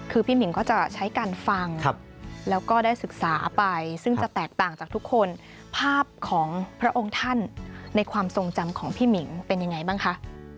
คือพี่หมิงก็จะใช้การฟังแล้วก็ได้ศึกษาไปซึ่งจะแตกต่างจากทุกคนภาพของพระองค์ท่านในความทรงจำของพี่หมิงเป็นยังไงบ้างคะ